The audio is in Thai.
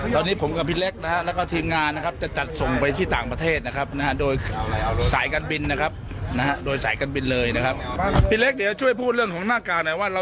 ช่วยขนาดนั้นพีชจะเนใครมีของเพราะคนเดือดร้อนเยอะ